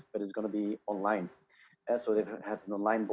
jadi mereka memiliki pengadilan online